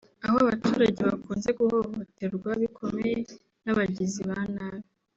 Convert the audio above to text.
Aho abaturage bakunze guhohoterwa bikomeye n’abagizi ba nabi